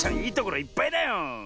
いいところいっぱいだよ。